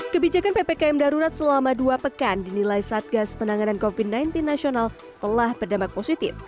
kebijakan ppkm darurat selama dua pekan dinilai satgas penanganan covid sembilan belas nasional telah berdampak positif